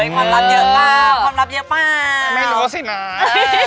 ความลับเยอะมากความลับเยอะมากไม่รู้สินะ